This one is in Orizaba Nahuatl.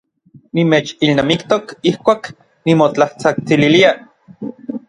Nimechilnamiktok ijkuak nimotlatsajtsililia.